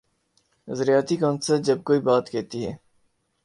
نظریاتی کونسل جب کوئی بات کہتی ہے۔